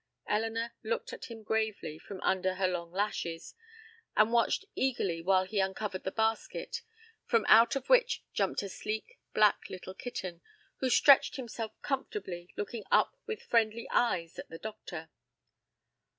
Elinor looked at him gravely from under her long lashes, and watched eagerly while he uncovered the basket, from out of which jumped a sleek black little kitten, which stretched himself comfortably, looking up with friendly eyes at the doctor.